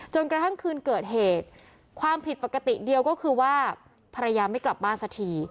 กระทั่งคืนเกิดเหตุความผิดปกติเดียวก็คือว่าภรรยาไม่กลับบ้านสักที